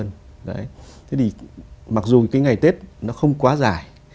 thế thì mặc dù cái ngày tết nó không quá dài